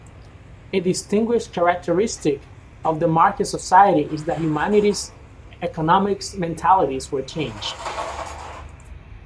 A distinguishing characteristic of the "Market Society" is that humanity's economic mentalities were changed.